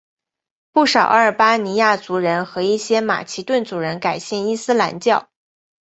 不少阿尔巴尼亚族人和一些马其顿族人改信伊斯兰教。